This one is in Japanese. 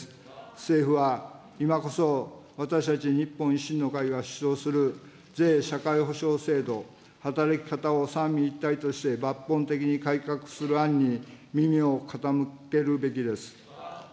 政府は、今こそ、私たち、日本維新の会が主張する、税・社会保障制度、働き方を三位一体として、抜本的に改革する案に耳を傾けるべきです。